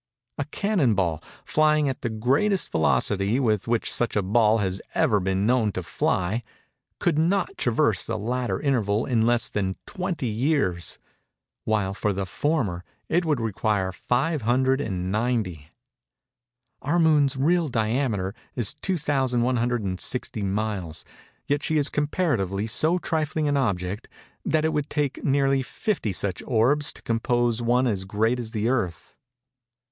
A cannon ball, flying at the greatest velocity with which such a ball has ever been known to fly, could not traverse the latter interval in less than 20 years; while for the former it would require 590. Our Moon's real diameter is 2160 miles; yet she is comparatively so trifling an object that it would take nearly 50 such orbs to compose one as great as the Earth.